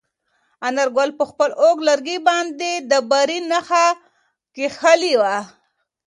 انارګل په خپل اوږد لرګي باندې د بري نښه کښلې وه.